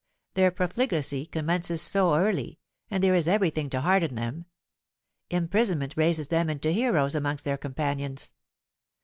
Their profligacy commences so early; and there is every thing to harden them. Imprisonment raises them into heroes amongst their companions.